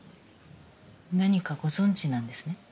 何かご存じなんですね？